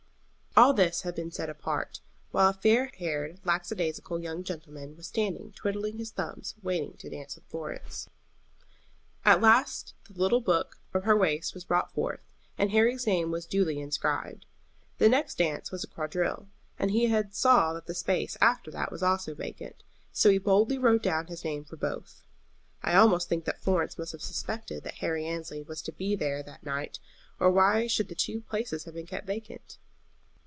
All this had been said apart, while a fair haired, lackadaisical young gentleman was standing twiddling his thumbs waiting to dance with Florence. At last the little book from her waist was brought forth, and Harry's name was duly inscribed. The next dance was a quadrille, and he saw that the space after that was also vacant; so he boldly wrote down his name for both. I almost think that Florence must have suspected that Harry Annesley was to be there that night, or why should the two places have been kept vacant?